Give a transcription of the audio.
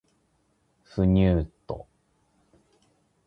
不入斗